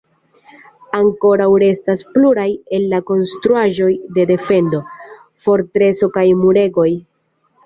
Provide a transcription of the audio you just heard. Ankoraŭ restas pluraj el la konstruaĵoj de defendo: fortreso kaj muregoj.